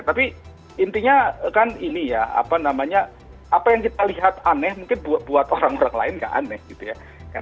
tapi intinya kan ini ya apa namanya apa yang kita lihat aneh mungkin buat orang orang lain nggak aneh gitu ya